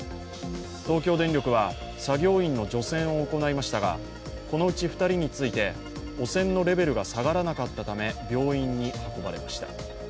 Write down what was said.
東京電力は作業員の除染を行いましたがこのうち２人について汚染のレベルが下がらなかったため病院に運ばれました。